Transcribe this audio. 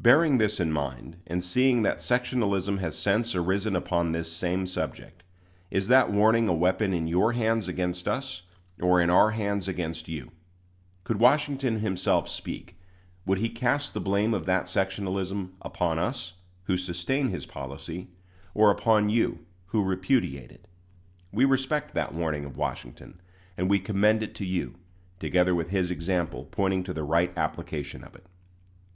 Bearing this in mind, and seeing that sectionalism has since arisen upon this same subject, is that warning a weapon in your hands against us, or in our hands against you? Could Washington himself speak, would he cast the blame of that sectionalism upon us, who sustain his policy, or upon you, who repudiate it? We respect that warning of Washington, and we commend it to you, together with his example pointing to the right application of it.